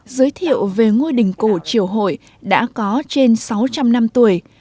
giới thiệu về ngôi đình cổ triều hội đã có trên sáu trăm linh năm tuổi